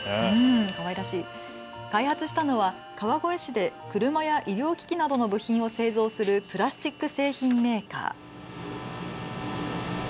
開発したのは川越市で車や医療機器などの部品を製造するプラスチック製品メーカー。